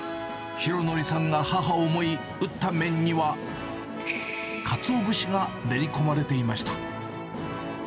浩敬さんが母を想い、打った麺には、かつお節が練り込まれていました。